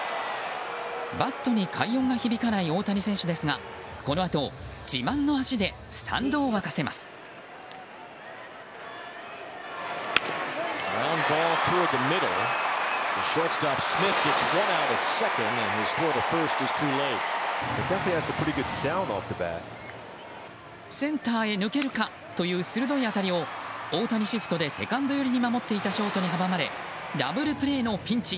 バットに快音が響かない大谷選手ですがこのあと自慢の足でスタンドを沸かせますセンターへ抜けるかという鋭い当たりを大谷シフトで、セカンド寄りに守っていたショートに阻まれダブルプレーのピンチ。